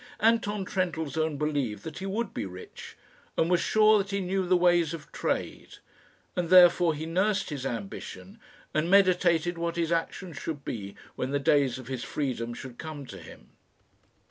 Anton Trendellsohn believed that he would be rich, and was sure that he knew the ways of trade; and therefore he nursed his ambition, and meditated what his action should be when the days of his freedom should come to him.